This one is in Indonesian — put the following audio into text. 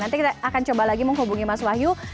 nanti kita akan coba lagi menghubungi mas wahyu